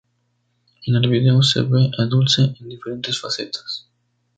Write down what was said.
En el video se ve a Dulce en diferentes facetas.